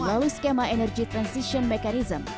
melalui skema energy transition mechanism atau etf